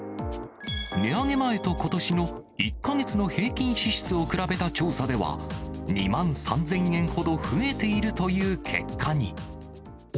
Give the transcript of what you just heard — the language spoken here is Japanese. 値上げ前とことしの１か月の平均支出を比べた調査では、２万３０００円ほど増えているという結果に。